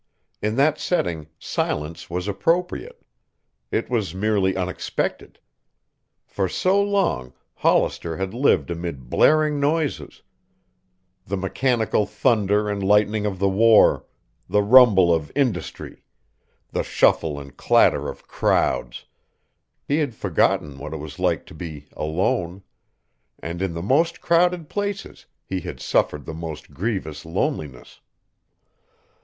In that setting, silence was appropriate. It was merely unexpected. For so long Hollister had lived amid blaring noises, the mechanical thunder and lightning of the war, the rumble of industry, the shuffle and clatter of crowds, he had forgotten what it was like to be alone, and in the most crowded places he had suffered the most grievous loneliness.